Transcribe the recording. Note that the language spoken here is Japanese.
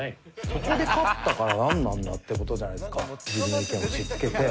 そこで勝ったからなんなんだって事じゃないですか。